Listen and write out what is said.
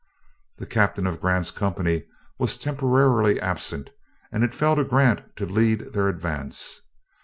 The captain of Grant's company was temporarily absent, and it fell to Grant to lead their advance.